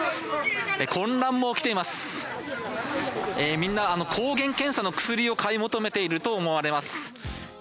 みんな抗原検査の薬を買い求めていると思われます。